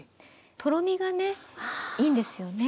とろみがねいいんですよね。